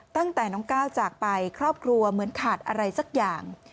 ตั้งแต่น้องก้าวจากไปครอบครัวเหมือนขาดอะไรสักอย่าง